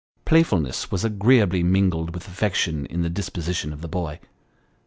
Playfulness was agreeably mingled with affection in the disposition of the boy.